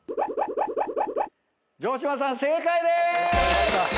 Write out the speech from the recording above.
城島さん正解でーす！